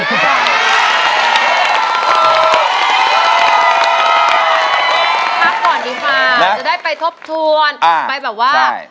ครับขออนุญาตค่ะจะได้ไปทบทวนไปแบบว่า